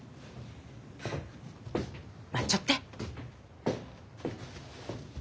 待っちょって。